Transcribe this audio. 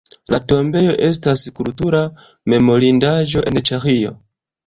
La tombejo estas Kultura memorindaĵo en Ĉeĥio.